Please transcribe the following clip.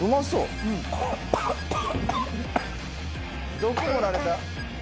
毒盛られた？